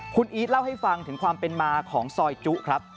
คุณอีทเล่าให้ฟังถึงความเป็นมาของซอยจุครับ